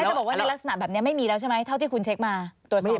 จะบอกว่าในลักษณะแบบนี้ไม่มีแล้วใช่ไหมเท่าที่คุณเช็คมาตรวจสอบ